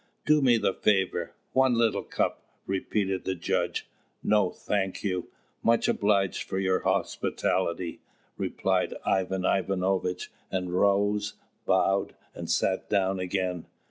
"Do me the favour one little cup," repeated the judge. "No, thank you; much obliged for your hospitality," replied Ivan Ivanovitch, and rose, bowed, and sat down again.